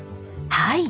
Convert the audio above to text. はい。